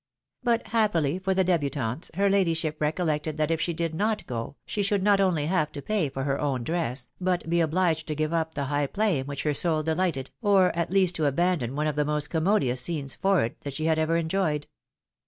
But, happUy for the debutantes, her ladyship recoUeoted that if she did not go, she should not only have to pay for her own dress, but be obliged to give up the high play in which her soul delighted, or at least to abandon one of the most commodious scenes for it that she had ever enjoyed.